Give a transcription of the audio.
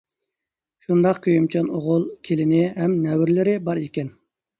شۇنداق كۆيۈمچان ئوغۇل، كېلىنى، ھەم نەۋرىلىرى بار ئىكەن.